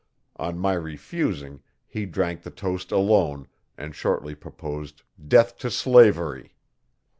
On my refusing, he drank the toast alone and shortly proposed 'death to slavery'.